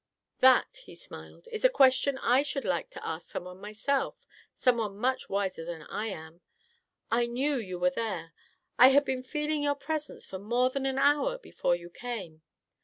"That," he smiled, "is a question I should like to ask someone myself; someone much wiser than I am. I knew you were there. I had been feeling your presence for more than an hour before you came.